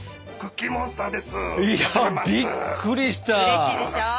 うれしいでしょ？